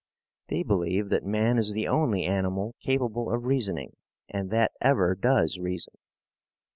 They believe that man is the only animal capable of reasoning and that ever does reason.